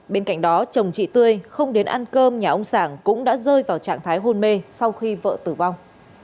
bên cạnh đó chồng chị tươi không đến ăn cơm nhà ông sảng cũng đã rơi vào trạng thái hôn mê sau khi vợ tử vong